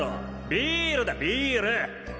ビールだビール！